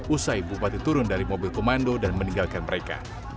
usai bupati turun dari mobil komando dan meninggalkan mereka